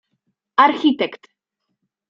architekt.